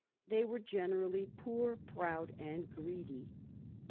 They were generally poor, proud, and greedy.